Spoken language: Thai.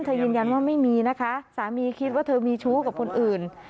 ยืนยันว่าไม่มีนะคะสามีคิดว่าเธอมีชู้กับคนอื่น